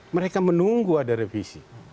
mereka menunggu ada revisi